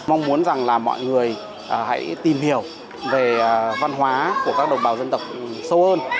mong muốn rằng là mọi người hãy tìm hiểu về văn hóa của các đồng bào dân tộc sâu hơn